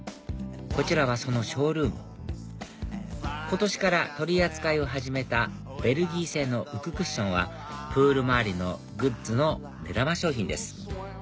こちらはそのショールーム今年から取り扱いを始めたベルギー製の浮くクッションはプール周りのグッズの目玉商品です